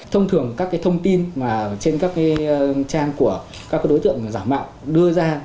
thông thường các thông tin trên các trang của các đối tượng giả mạo đưa ra